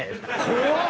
怖っ。